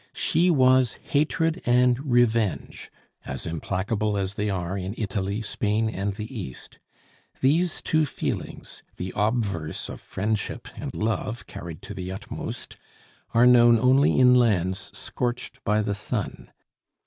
She was Hatred and Revenge, as implacable as they are in Italy, Spain, and the East. These two feelings, the obverse of friendship and love carried to the utmost, are known only in lands scorched by the sun.